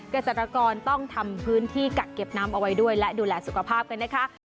เกษตรกรต้องทำพื้นที่กักเก็บน้ำเอาไว้ด้วยและดูแลสุขภาพกันนะคะ